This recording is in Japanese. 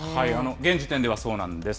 現時点ではそうなんです。